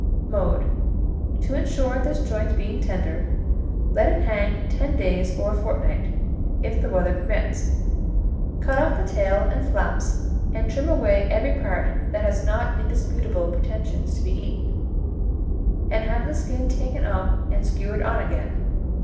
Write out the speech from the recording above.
Mode. To insure this joint being tender, let it hang for ten days or a fortnight, if the weather permits. Cut off the tail and flaps and trim away every part that has not indisputable pretensions to be eaten, and have the skin taken off and skewered on again.